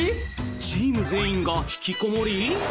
チーム全員がひきこもり？